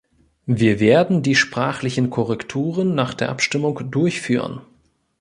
Wir werden die sprachlichen Korrekturen nach der Abstimmung durchführen.